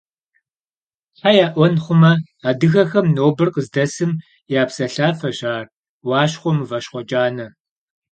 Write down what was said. Тхьэ яӀуэн хъумэ, адыгэхэм нобэр къыздэсым я псалъафэщ ар – «Уащхъуэ мыващхъуэ кӀанэ!».